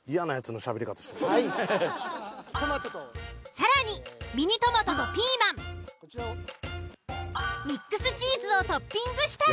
更にミニトマトとピーマンミックスチーズをトッピングしたら。